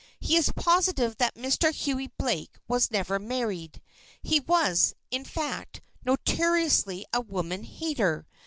He is positive that Mr. Hughie Blake was never married. He was, in fact, notoriously a woman hater.